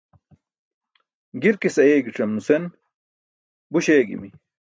Girkis ayeegicam nusen, buś eegimi.